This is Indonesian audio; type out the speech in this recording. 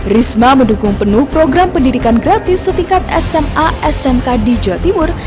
risma mendukung penuh program pendidikan gratis setingkat sma smk di jawa timur